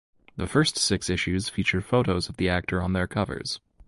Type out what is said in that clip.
The first six issues feature photos of the actor on their covers.